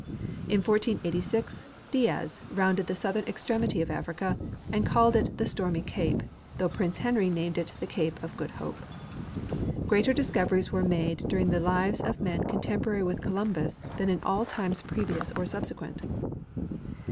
In 1486 Diaz rounded the southern extremity of Africa and called it the Stormy cape, though Prince Henry named it the cape of Good Hope. Greater discoveries Avere made during the lives of men contemporary Avith Columbus than in all times preAious or subsequent.